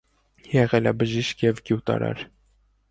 Եղել է բժիշկ և գյուտարար։